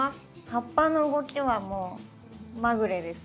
葉っぱの動きはもうまぐれです。